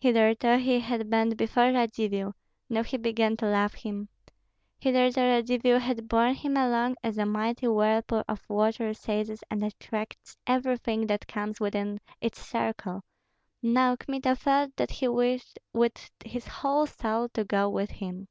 Hitherto he had bent before Radzivill; now he began to love him. Hitherto Radzivill had borne him along as a mighty whirlpool of water seizes and attracts everything that comes within its circle; now Kmita felt that he wished with his whole soul to go with him.